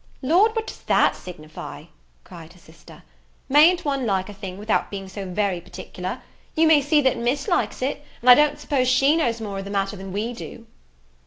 "Lord, what does that signify," cried her sister; "mayn't one like a thing without being so very particular? You may see that Miss likes it, and I don't suppose she knows more of the matter than we do."